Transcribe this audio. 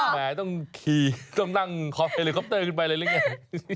แหมต้องขี่ต้องนั่งคอยเฮลิคอปเตอร์ขึ้นไปเลยหรือไง